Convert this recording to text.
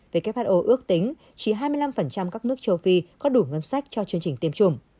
who ước tính chỉ hai mươi năm các nước châu phi có đủ ngân sách cho chương trình tiêm chủng